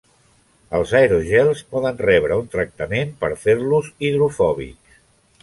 Els aerogels poden rebre un tractament per fer-los hidrofòbics.